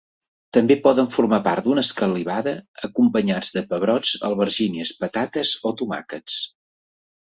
També poden formar part d'una escalivada, acompanyats de pebrots, albergínies, patates o tomàquets.